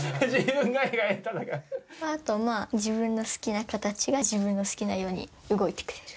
あと、自分の好きな形が自分の好きなように動いてくれる。